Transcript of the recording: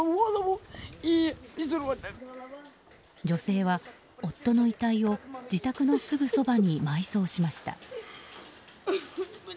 女性は、夫の遺体を自宅のすぐそばに埋葬しました。